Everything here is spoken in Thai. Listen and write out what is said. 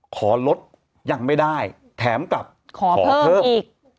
ขอลดยังไม่ได้แถมกลับขอเพิ่มอีก